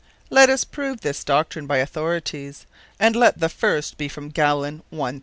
Let us prove this Doctrine by Authorities; and let the first be from Gallen, _l. 3.